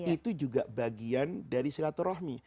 itu juga bagian dari silaturahmi